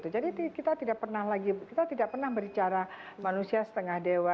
jadi kita tidak pernah lagi kita tidak pernah berbicara manusia setengah dewa